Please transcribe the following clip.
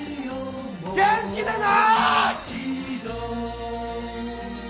元気でな！